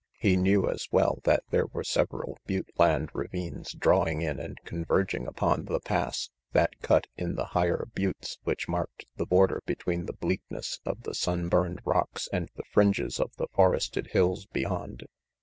He knew, as well, that there were several butte land ravines drawing in and converging upon The Pass that cut in the higher buttes which marked the border between the bleakness of the sun burned rocks and the fringes of the forested hills beyond.